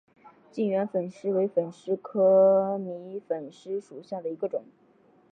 近圆粉虱为粉虱科迷粉虱属下的一个种。